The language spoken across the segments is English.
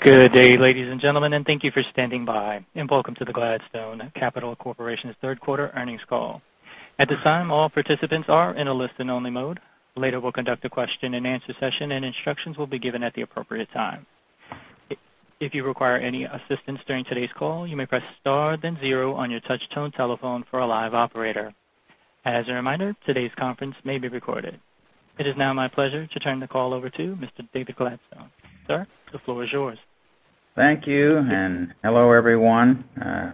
Good day, ladies and gentlemen, and thank you for standing by, and welcome to the Gladstone Capital Corporation's third quarter earnings call. At this time, all participants are in a listen-only mode. Later, we'll conduct a question-and-answer session, and instructions will be given at the appropriate time. If you require any assistance during today's call, you may press star then zero on your touch-tone telephone for a live operator. As a reminder, today's conference may be recorded. It is now my pleasure to turn the call over to Mr. David Gladstone. Sir, the floor is yours. Thank you, and hello, everyone.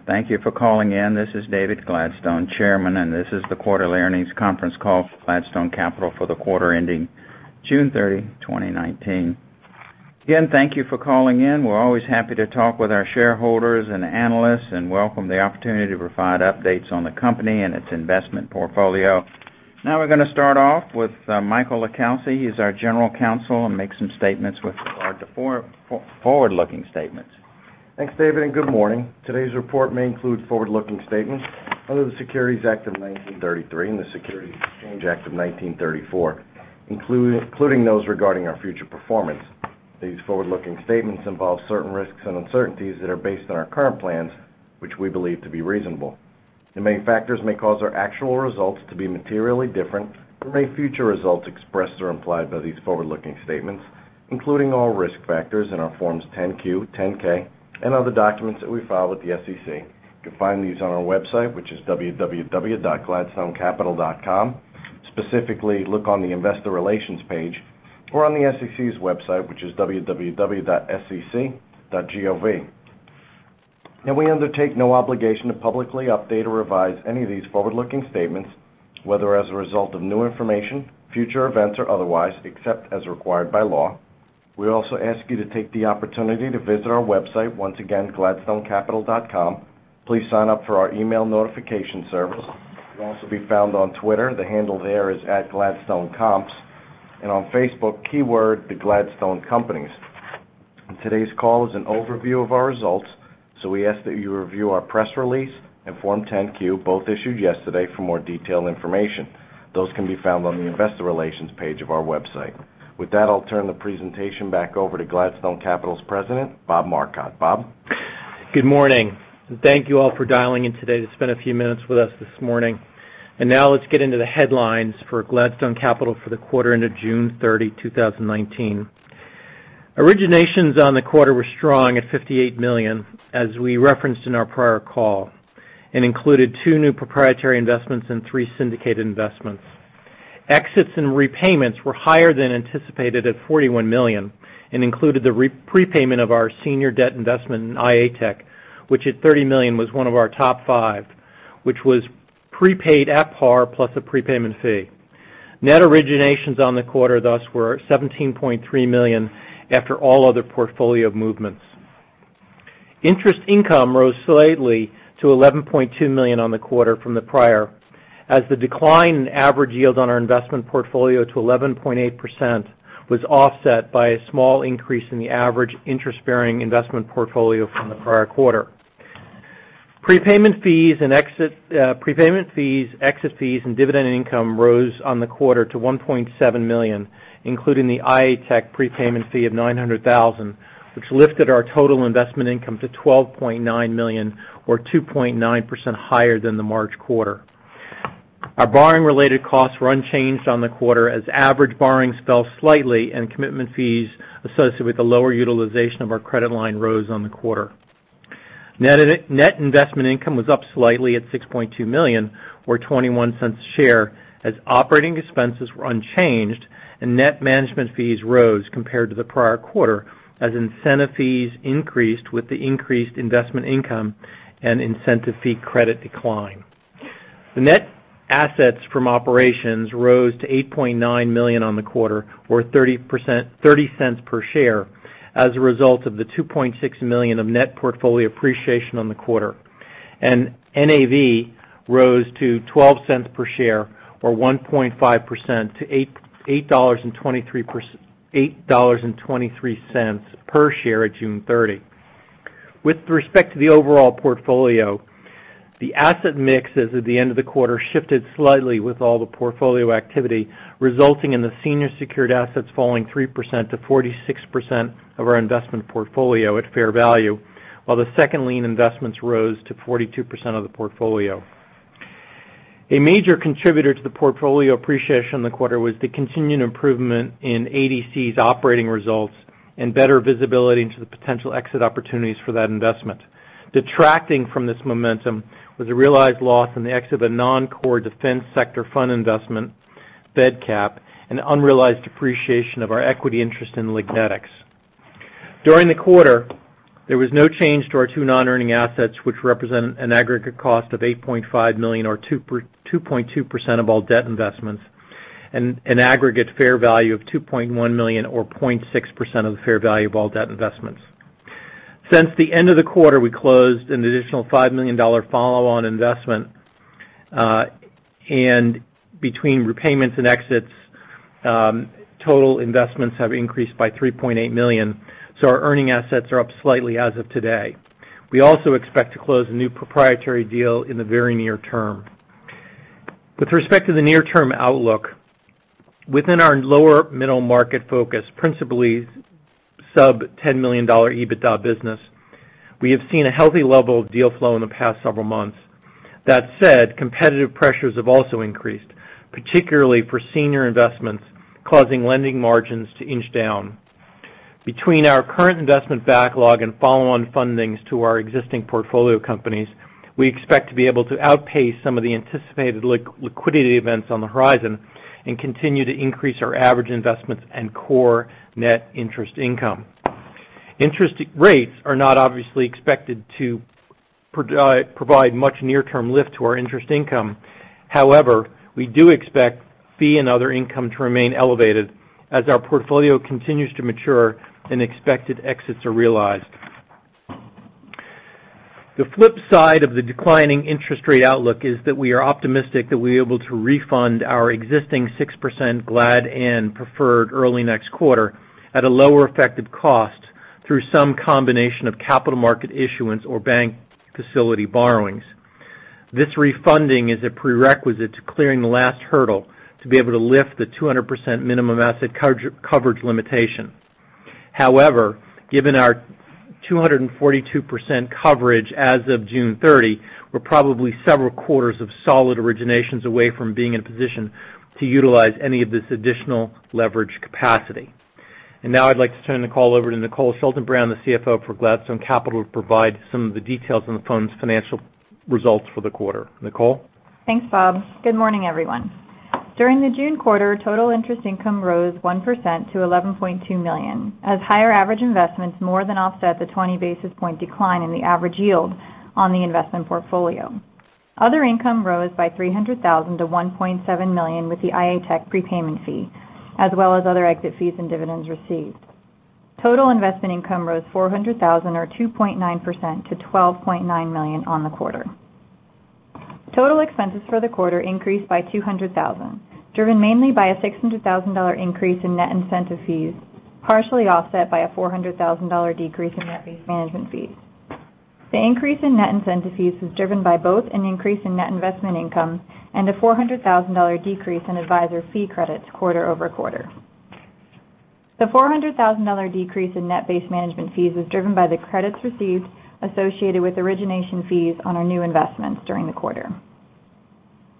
Thank you for calling in. This is David Gladstone, Chairman, and this is the quarterly earnings conference call for Gladstone Capital for the quarter ending June 30, 2019. Again, thank you for calling in. We're always happy to talk with our shareholders and analysts and welcome the opportunity to provide updates on the company and its investment portfolio. Now we're going to start off with Michael LiCalsi. He's our general counsel, and make some statements with our forward-looking statements. Thanks, David, and good morning. Today's report may include forward-looking statements under the Securities Act of 1933 and the Securities Exchange Act of 1934, including those regarding our future performance. These forward-looking statements involve certain risks and uncertainties that are based on our current plans, which we believe to be reasonable. Many factors may cause our actual results to be materially different from any future results expressed or implied by these forward-looking statements, including all risk factors in our forms 10-Q, 10-K, and other documents that we file with the SEC. You can find these on our website, which is www.gladstonecapital.com, specifically look on the investor relations page or on the SEC's website, which is www.sec.gov. Now, we undertake no obligation to publicly update or revise any of these forward-looking statements, whether as a result of new information, future events, or otherwise, except as required by law. We also ask you to take the opportunity to visit our website, once again, gladstonecapital.com. Please sign up for our email notification service. You can also be found on Twitter. The handle there is @gladstonecomps, and on Facebook, keyword, The Gladstone Companies. Today's call is an overview of our results. We ask that you review our press release and Form 10-Q, both issued yesterday, for more detailed information. Those can be found on the Investor Relations page of our website. With that, I'll turn the presentation back over to Gladstone Capital's President, Bob Marcotte. Bob? Good morning, and thank you all for dialing in today to spend a few minutes with us this morning. Now let's get into the headlines for Gladstone Capital for the quarter ended June 30, 2019. Originations on the quarter were strong at $58 million, as we referenced in our prior call, and included two new proprietary investments and three syndicated investments. Exits and repayments were higher than anticipated at $41 million and included the prepayment of our senior debt investment in IA Tech, which at $30 million, was one of our top five, which was prepaid at par plus a prepayment fee. Net originations on the quarter thus were $17.3 million after all other portfolio movements. Interest income rose slightly to $11.2 million on the quarter from the prior, as the decline in average yield on our investment portfolio to 11.8% was offset by a small increase in the average interest-bearing investment portfolio from the prior quarter. Prepayment fees, exit fees, and dividend income rose on the quarter to $1.7 million, including the IA Tech prepayment fee of $900,000, which lifted our total investment income to $12.9 million or 2.9% higher than the March quarter. Our borrowing-related costs were unchanged on the quarter as average borrowings fell slightly and commitment fees associated with the lower utilization of our credit line rose on the quarter. Net investment income was up slightly at $6.2 million or $0.21 per share as operating expenses were unchanged and net management fees rose compared to the prior quarter as incentive fees increased with the increased investment income and incentive fee credit decline. The net assets from operations rose to $8.9 million on the quarter, or $0.30 per share as a result of the $2.6 million of net portfolio appreciation on the quarter. NAV rose to $0.12 per share or 1.5% to $8.23 per share at June 30. With respect to the overall portfolio, the asset mix as of the end of the quarter shifted slightly with all the portfolio activity, resulting in the senior secured assets falling 3% to 46% of our investment portfolio at fair value, while the second lien investments rose to 42% of the portfolio. A major contributor to the portfolio appreciation in the quarter was the continued improvement in ADC's operating results and better visibility into the potential exit opportunities for that investment. Detracting from this momentum was a realized loss on the exit of a non-core defense sector fund investment, FedCap, and unrealized appreciation of our equity interest in Lignetics. During the quarter, there was no change to our two non-earning assets, which represent an aggregate cost of $8.5 million or 2.2% of all debt investments and an aggregate fair value of $2.1 million or 0.6% of the fair value of all debt investments. Since the end of the quarter, we closed an additional $5 million follow-on investment. Between repayments and exits, total investments have increased by $3.8 million, so our earning assets are up slightly as of today. We also expect to close a new proprietary deal in the very near term. With respect to the near-term outlook, within our lower middle market focus, principally sub $10 million EBITDA business, we have seen a healthy level of deal flow in the past several months. That said, competitive pressures have also increased, particularly for senior investments, causing lending margins to inch down. Between our current investment backlog and follow-on fundings to our existing portfolio companies, we expect to be able to outpace some of the anticipated liquidity events on the horizon and continue to increase our average investments and core net interest income. Interest rates are not obviously expected to provide much near-term lift to our interest income. However, we do expect fee and other income to remain elevated as our portfolio continues to mature and expected exits are realized. The flip side of the declining interest rate outlook is that we are optimistic that we'll be able to refund our existing 6% GLADN preferred early next quarter at a lower effective cost through some combination of capital market issuance or bank facility borrowings. This refunding is a prerequisite to clearing the last hurdle to be able to lift the 200% minimum asset coverage limitation. However, given our 242% coverage as of June 30, we're probably several quarters of solid originations away from being in a position to utilize any of this additional leverage capacity. Now I'd like to turn the call over to Nicole Schaltenbrand, the CFO for Gladstone Capital, to provide some of the details on the firm's financial results for the quarter. Nicole? Thanks, Bob. Good morning, everyone. During the June quarter, total interest income rose 1% to $11.2 million as higher average investments more than offset the 20 basis point decline in the average yield on the investment portfolio. Other income rose by $300,000 to $1.7 million with the IA Tech prepayment fee, as well as other exit fees and dividends received. Total investment income rose $400,000 or 2.9% to $12.9 million on the quarter. Total expenses for the quarter increased by $200,000, driven mainly by a $600,000 increase in net incentive fees, partially offset by a $400,000 decrease in net base management fees. The increase in net incentive fees was driven by both an increase in net investment income and a $400,000 decrease in advisor fee credits quarter-over-quarter. The $400,000 decrease in net-based management fees was driven by the credits received associated with origination fees on our new investments during the quarter.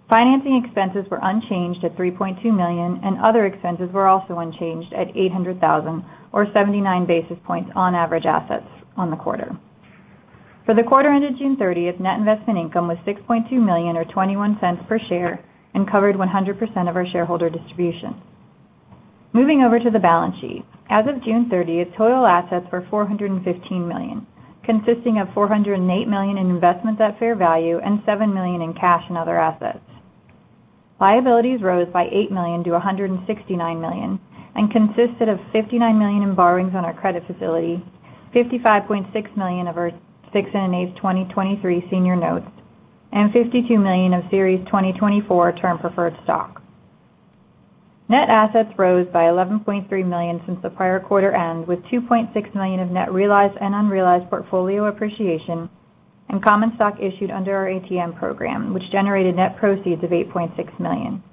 Financing expenses were unchanged at $3.2 million, and other expenses were also unchanged at $800,000 or 79 basis points on average assets on the quarter. For the quarter ended June 30th, net investment income was $6.2 million or $0.21 per share and covered 100% of our shareholder distribution. Moving over to the balance sheet. As of June 30th, total assets were $415 million, consisting of $408 million in investments at fair value and $7 million in cash and other assets. Liabilities rose by $8 million to $169 million and consisted of $59 million in borrowings on our credit facility, $55.6 million of our 6.125% Notes due 2023 senior notes, and $52 million of Series 2024 Term Preferred Stock. Net assets rose by $11.3 million since the prior quarter end, with $2.6 million of net realized and unrealized portfolio appreciation and common stock issued under our ATM program, which generated net proceeds of $8.6 million.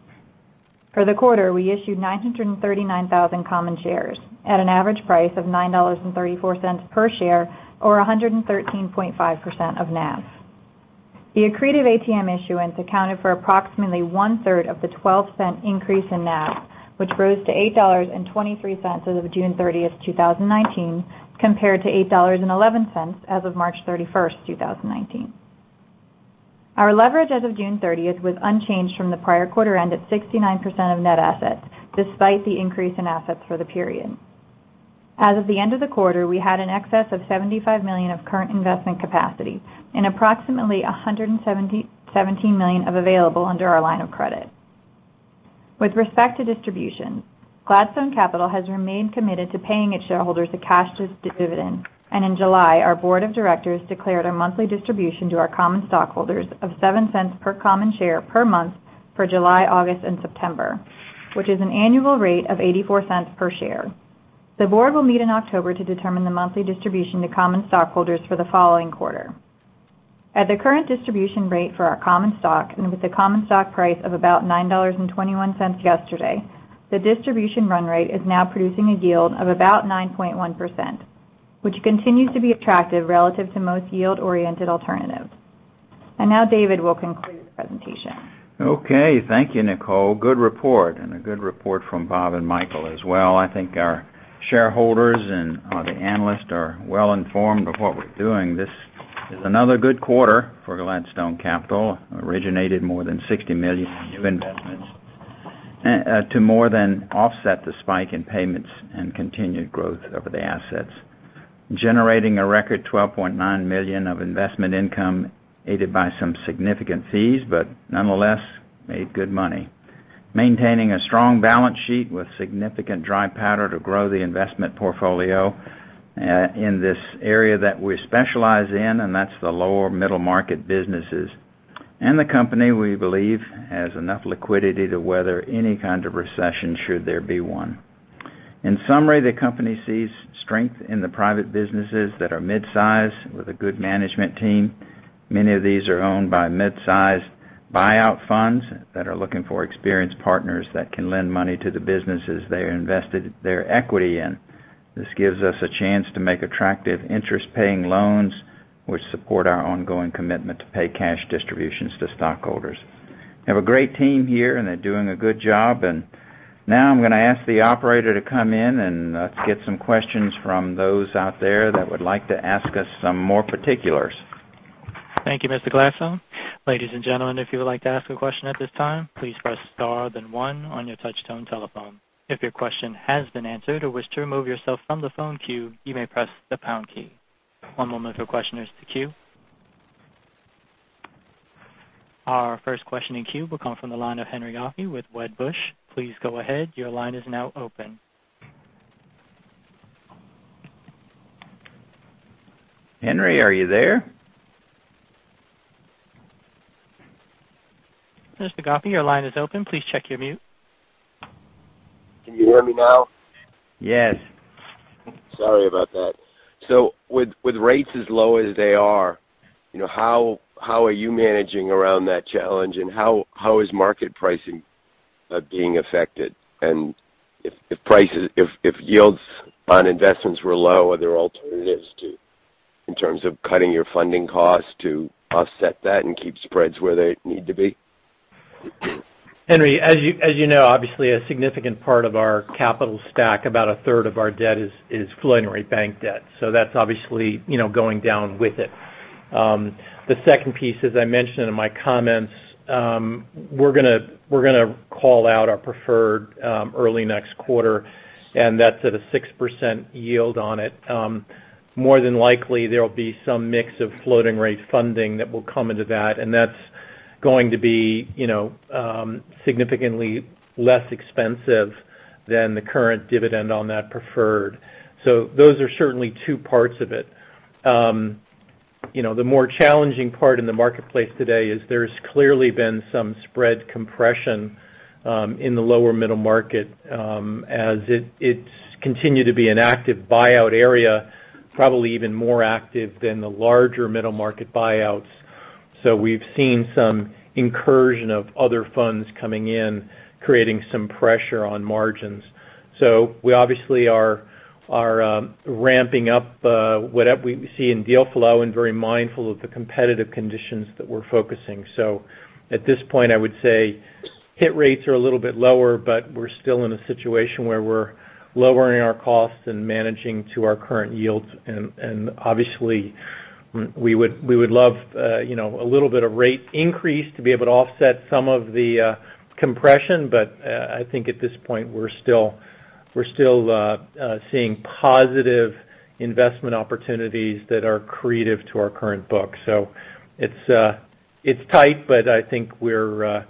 For the quarter, we issued 939,000 common shares at an average price of $9.34 per share or 113.5% of NAV. The accretive ATM issuance accounted for approximately one-third of the $0.12 increase in NAV, which rose to $8.23 as of June 30, 2019, compared to $8.11 as of March 31, 2019. Our leverage as of June 30 was unchanged from the prior quarter end of 69% of net assets, despite the increase in assets for the period. As of the end of the quarter, we had an excess of $75 million of current investment capacity and approximately $117 million of available under our line of credit. With respect to distribution, Gladstone Capital has remained committed to paying its shareholders a cash dividend, and in July, our board of directors declared a monthly distribution to our common stockholders of $0.07 per common share per month for July, August, and September, which is an annual rate of $0.84 per share. The board will meet in October to determine the monthly distribution to common stockholders for the following quarter. At the current distribution rate for our common stock and with the common stock price of about $9.21 yesterday, the distribution run rate is now producing a yield of about 9.1%, which continues to be attractive relative to most yield-oriented alternatives. Now David will conclude the presentation. Okay. Thank you, Nicole. Good report. A good report from Bob and Michael as well. I think our shareholders and the analysts are well informed of what we're doing. This is another good quarter for Gladstone Capital. Originated more than $60 million in new investments to more than offset the spike in payments and continued growth of the assets. Generating a record $12.9 million of investment income, aided by some significant fees, but nonetheless, made good money. Maintaining a strong balance sheet with significant dry powder to grow the investment portfolio in this area that we specialize in, and that's the lower middle market businesses. The company, we believe, has enough liquidity to weather any kind of recession should there be one. In summary, the company sees strength in the private businesses that are mid-size with a good management team. Many of these are owned by mid-size buyout funds that are looking for experienced partners that can lend money to the businesses they invested their equity in. This gives us a chance to make attractive interest-paying loans, which support our ongoing commitment to pay cash distributions to stockholders. Have a great team here, and they're doing a good job. Now I'm going to ask the operator to come in, and let's get some questions from those out there that would like to ask us some more particulars. Thank you, Mr. Gladstone. Ladies and gentlemen, if you would like to ask a question at this time, please press star then one on your touch-tone telephone. If your question has been answered or wish to remove yourself from the phone queue, you may press the pound key. One moment for questioners in the queue. Our first question in queue will come from the line of Henry Coffey with Wedbush. Please go ahead. Your line is now open. Henry, are you there? Mr. Coffey, your line is open. Please check your mute. Can you hear me now? Yes. Sorry about that. With rates as low as they are, how are you managing around that challenge, and how is market pricing being affected? If yields on investments were low, are there alternatives too, in terms of cutting your funding costs to offset that and keep spreads where they need to be? Henry Coffey, as you know, obviously, a significant part of our capital stack, about 1/3 of our debt is floating rate bank debt. That's obviously going down with it. The second piece, as I mentioned in my comments, we're going to call out our preferred early next quarter, and that's at a 6% yield on it. More than likely, there'll be some mix of floating rate funding that will come into that, and that's going to be significantly less expensive than the current dividend on that preferred. Those are certainly two parts of it. The more challenging part in the marketplace today is there's clearly been some spread compression in the lower middle market as it's continued to be an active buyout area, probably even more active than the larger middle market buyouts. We've seen some incursion of other funds coming in, creating some pressure on margins. We obviously are ramping up what we see in deal flow and very mindful of the competitive conditions that we're focusing. At this point, I would say hit rates are a little bit lower, but we're still in a situation where we're lowering our costs and managing to our current yields, and obviously, we would love a little bit of rate increase to be able to offset some of the compression, but I think at this point, we're still seeing positive investment opportunities that are accretive to our current book. It's tight, but I think we're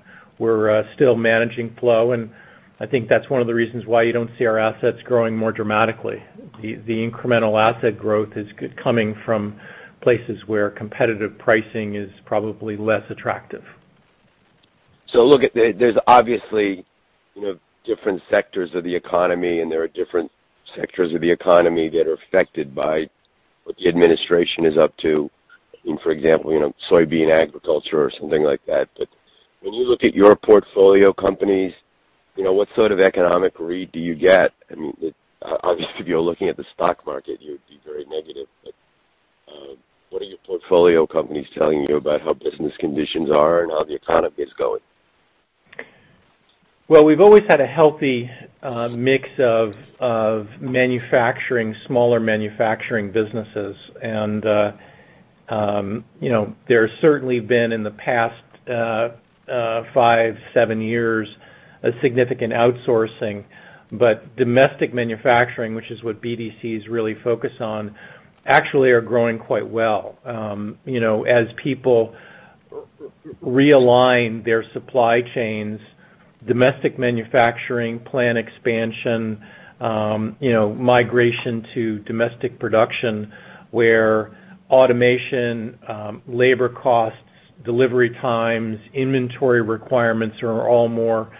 still managing flow, and I think that's one of the reasons why you don't see our assets growing more dramatically. The incremental asset growth is coming from places where competitive pricing is probably less attractive. Look, there's obviously different sectors of the economy, and there are different sectors of the economy that are affected by what the administration is up to. For example, soybean agriculture or something like that. When you look at your portfolio companies, what sort of economic read do you get? Obviously, if you're looking at the stock market, you'd be very negative, but what are your portfolio companies telling you about how business conditions are and how the economy is going? Well, we've always had a healthy mix of smaller manufacturing businesses. There's certainly been, in the past five, seven years, a significant outsourcing. Domestic manufacturing, which is what BDCs really focus on, actually are growing quite well. As people realign their supply chains, domestic manufacturing, plant expansion, migration to domestic production, where automation, labor costs, delivery times, inventory requirements are all more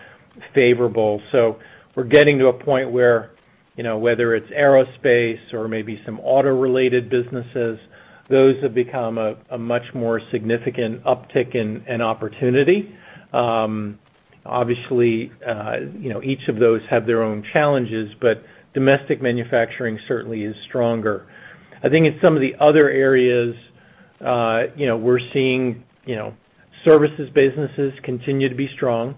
favorable. We're getting to a point where whether it's aerospace or maybe some auto-related businesses, those have become a much more significant uptick in opportunity. Obviously, each of those have their own challenges, but domestic manufacturing certainly is stronger. I think in some of the other areas, we're seeing services businesses continue to be strong.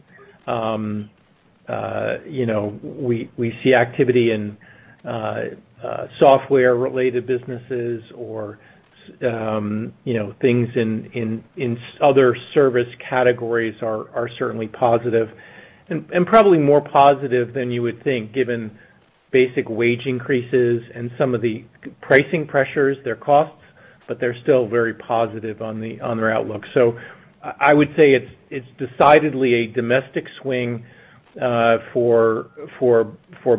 We see activity in software-related businesses or things in other service categories are certainly positive. Probably more positive than you would think given basic wage increases and some of the pricing pressures, their costs, but they're still very positive on their outlook. I would say it's decidedly a domestic swing for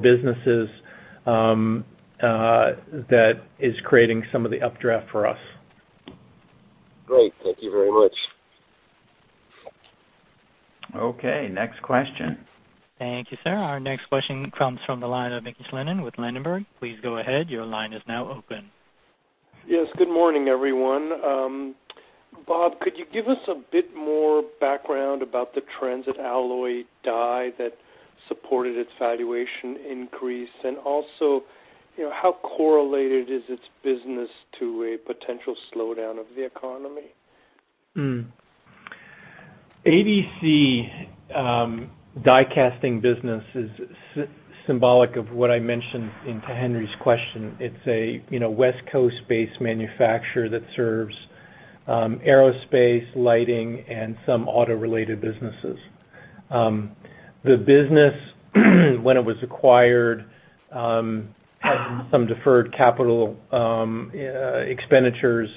businesses that is creating some of the updraft for us. Great. Thank you very much. Okay, next question. Thank you, sir. Our next question comes from the line of Mickey Schleien with Ladenburg Thalmann. Please go ahead. Your line is now open. Yes. Good morning, everyone. Bob, could you give us a bit more background about the trends at Alloy Die that supported its valuation increase? Also, how correlated is its business to a potential slowdown of the economy? ADC Die Casting business is symbolic of what I mentioned into Henry's question. It's a West Coast-based manufacturer that serves aerospace, lighting, and some auto-related businesses. The business, when it was acquired, had some deferred capital expenditures.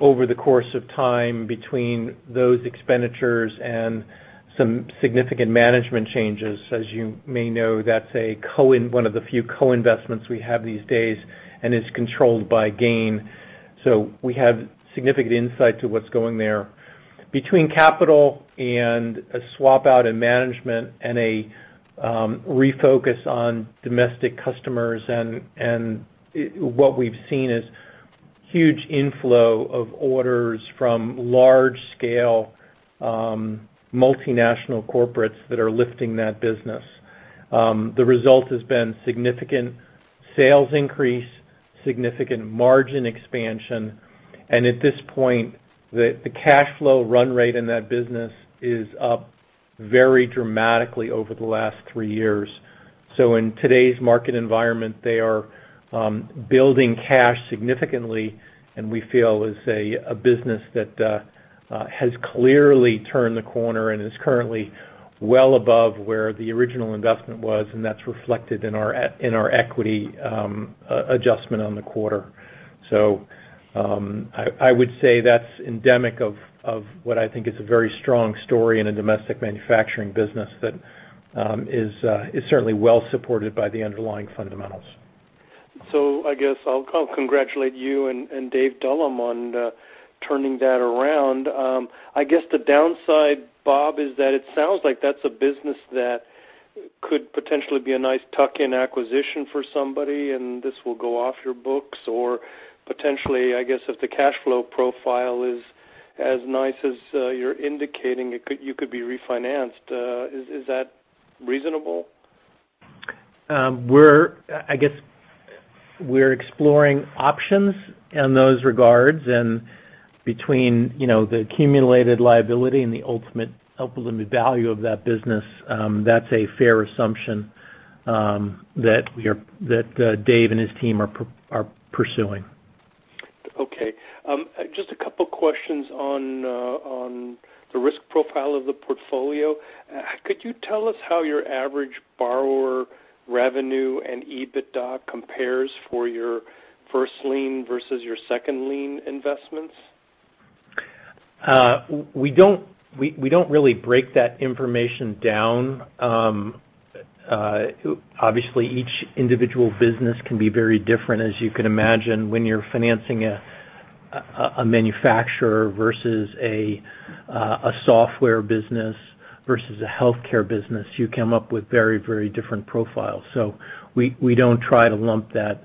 Over the course of time, between those expenditures and some significant management changes, as you may know, that's one of the few co-investments we have these days, and it's controlled by Gain. We have significant insight to what's going there. Between capital and a swap out in management and a refocus on domestic customers, what we've seen is huge inflow of orders from large-scale, multinational corporates that are lifting that business. The result has been significant sales increase, significant margin expansion, and at this point, the cash flow run rate in that business is up very dramatically over the last three years. In today's market environment, they are building cash significantly, and we feel is a business that has clearly turned the corner and is currently well above where the original investment was, and that's reflected in our equity adjustment on the quarter. I would say that's endemic of what I think is a very strong story in a domestic manufacturing business that is certainly well supported by the underlying fundamentals. I guess I'll congratulate you and David Dullum on turning that around. I guess the downside, Bob, is that it sounds like that's a business that could potentially be a nice tuck-in acquisition for somebody and this will go off your books, or potentially, I guess if the cash flow profile is as nice as you're indicating, you could be refinanced. Is that reasonable? I guess we're exploring options in those regards. Between the accumulated liability and the ultimate value of that business, that's a fair assumption that Dave and his team are pursuing. Okay. Just a couple questions on the risk profile of the portfolio. Could you tell us how your average borrower revenue and EBITDA compares for your first lien versus your second lien investments? We don't really break that information down. Obviously, each individual business can be very different. As you can imagine, when you're financing a manufacturer versus a software business versus a healthcare business, you come up with very different profiles. We don't try to lump that.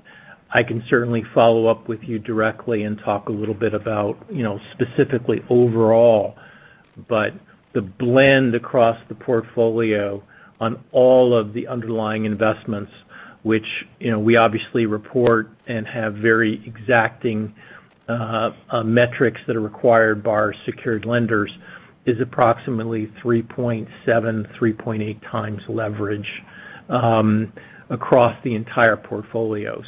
I can certainly follow up with you directly and talk a little bit about specifically overall. The blend across the portfolio on all of the underlying investments, which we obviously report and have very exacting metrics that are required by our secured lenders, is approximately 3.7, 3.8 times leverage across the entire portfolio.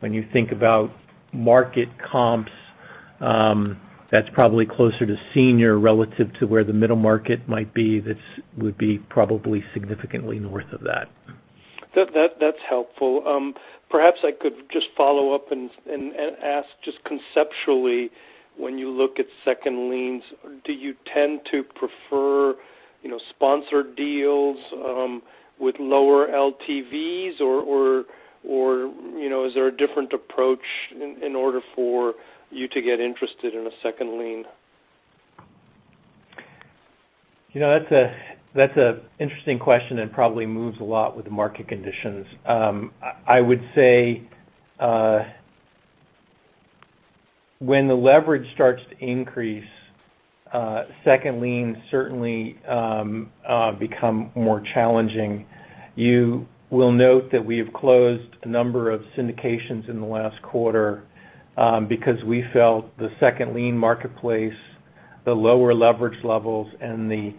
When you think about market comps, that's probably closer to senior relative to where the middle market might be. That would be probably significantly north of that. That's helpful. Perhaps I could just follow up and ask just conceptually, when you look at second liens, do you tend to prefer sponsored deals with lower LTVs, or is there a different approach in order for you to get interested in a second lien? That's an interesting question, and probably moves a lot with the market conditions. I would say, when the leverage starts to increase, second liens certainly become more challenging. You will note that we have closed a number of syndications in the last quarter because we felt the second lien marketplace, the lower leverage levels, and the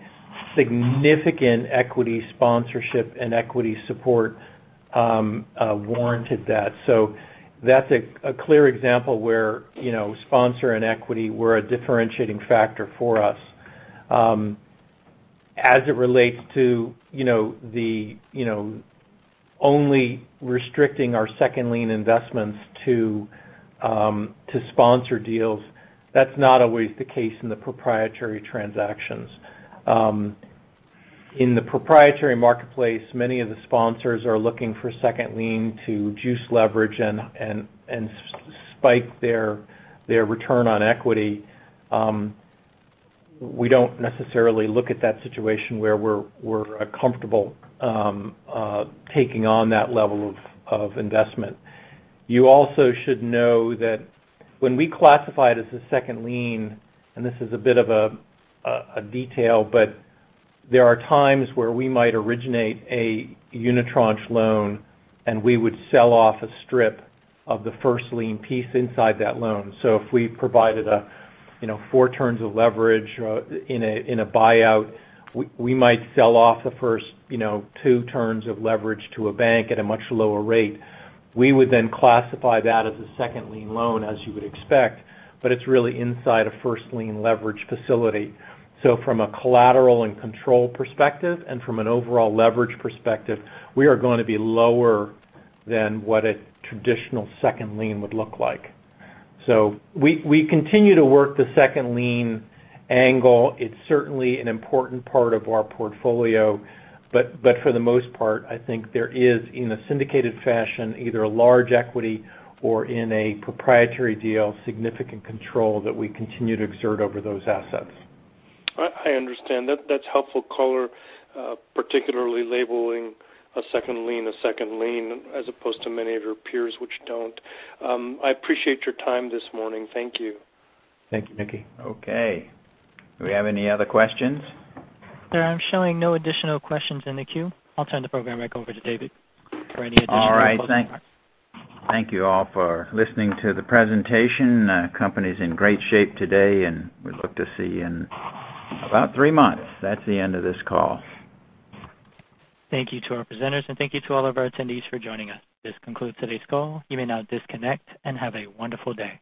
significant equity sponsorship and equity support warranted that. That's a clear example where sponsor and equity were a differentiating factor for us. As it relates to only restricting our second lien investments to sponsored deals, that's not always the case in the proprietary transactions. In the proprietary marketplace, many of the sponsors are looking for second lien to juice leverage and spike their return on equity. We don't necessarily look at that situation where we're comfortable taking on that level of investment. You also should know that when we classify it as a second lien, and this is a bit of a detail, but there are times where we might originate a unitranche loan, and we would sell off a strip of the first lien piece inside that loan. If we provided a 4 turns of leverage in a buyout, we might sell off the first 2 turns of leverage to a bank at a much lower rate. We would classify that as a second lien loan, as you would expect, but it's really inside a first lien leverage facility. From a collateral and control perspective and from an overall leverage perspective, we are going to be lower than what a traditional second lien would look like. We continue to work the second lien angle. It's certainly an important part of our portfolio, but for the most part, I think there is, in a syndicated fashion, either a large equity or in a proprietary deal, significant control that we continue to exert over those assets. I understand. That's helpful color, particularly labeling a second lien a second lien as opposed to many of your peers, which don't. I appreciate your time this morning. Thank you. Thank you, Mickey. Okay. Do we have any other questions? Sir, I'm showing no additional questions in the queue. I'll turn the program back over to David for any additional closing remarks. All right. Thank you all for listening to the presentation. Company's in great shape today, and we look to see you in about three months. That's the end of this call. Thank you to our presenters, and thank you to all of our attendees for joining us. This concludes today's call. You may now disconnect and have a wonderful day.